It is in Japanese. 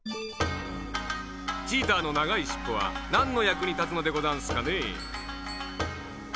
チーターのながいしっぽはなんのやくにたつのでござんすかねえ？